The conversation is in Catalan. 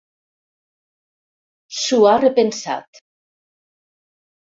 S'ho ha repensat.